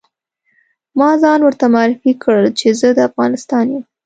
ما ځان ورته معرفي کړ چې زه د افغانستان یم.